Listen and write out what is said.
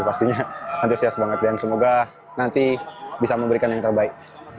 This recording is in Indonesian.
pastinya antusias banget dan semoga nanti bisa memberikan yang terbaik